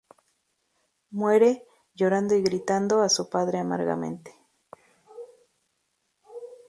Muere, llorando y gritando a su Padre amargamente.